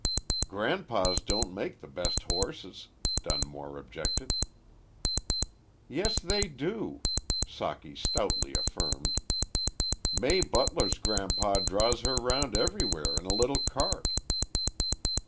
"Gran'pas don't make the best horses," Dunmore objected. "Yes they do," Socky stoutly affirmed. "May Butler's gran'pa draws her 'round everywhere in a little cart."